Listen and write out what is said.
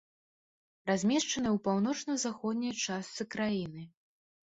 Размешчаная ў паўночна-заходняй частцы краіны.